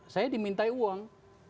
saya diminta uang